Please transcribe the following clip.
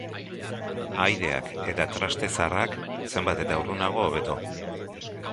Ahaideak eta traste zaharrak, zenbat eta urrunago hobeto.